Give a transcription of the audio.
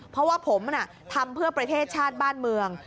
เพราะว่าผมทำเพื่อประเทศชาติบ้านเมือง